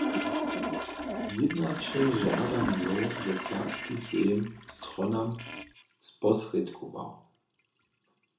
Jědnaće žadanjow je Serbski sejm stronam sposrědkował.